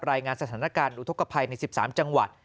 รายงานสถานการณ์อุทธกภัยใน๑๓จังหวัด